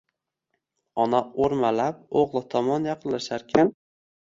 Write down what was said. Ona o‘rmalab o‘g‘li tomon yaqinlasharkan